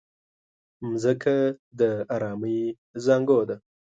مځکه د ارامۍ زانګو ده.